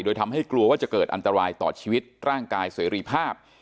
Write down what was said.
โดยทำให้กลัวว่าจะเกิดอันตรายต่อชีวิตร่างกายเสรีภาพ